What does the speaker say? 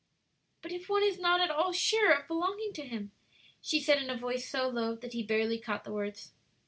'" "But if one is not at all sure of belonging to Him?" she said, in a voice so low that he barely caught the words.